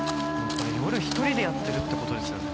これ夜一人でやってるって事ですよね？